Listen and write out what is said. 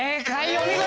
お見事！